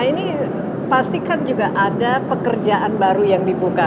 ini pastikan juga ada pekerjaan baru yang dibuka